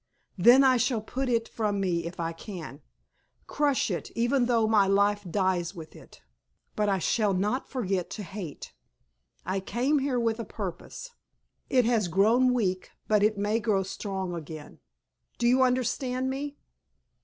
Then I shall put it from me if I can crush it even though my life dies with it. But I shall not forget to hate. I came here with a purpose. It has grown weak, but it may grow strong again. Do you understand me?"